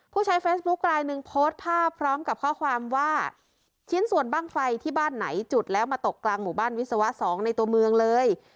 ผู้ใช้เฟซบุ๊คลายหนึ่งโพสต์ภาพพร้อมกับข้อความว่าชิ้นส่วนบ้างไฟที่บ้านไหนจุดแล้วมาตกกลางหมู่บ้านวิศวะ๒ในตัวเมืองเลย